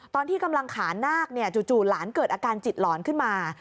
ตอนที่กำลังขานาคจู่หลานเกิดอาการจิตหลอนขึ้นมา